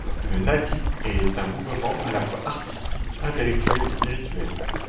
Le nabi est un mouvement à la fois artistique, intellectuel et spirituel.